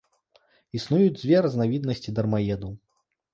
Існуюць дзве разнавіднасці дармаедаў.